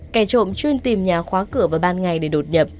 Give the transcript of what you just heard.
kẻ trộm chuyên tìm nhà khóa cửa vào ban ngày để đột nhập